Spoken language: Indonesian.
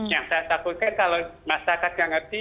yang saya takutkan kalau masyarakat tidak mengerti